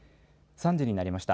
３時になりました。